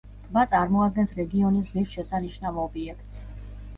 ტბა წარმოადგენს რეგიონის ღირსშესანიშნავ ობიექტს.